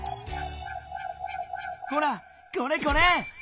ほらこれこれ。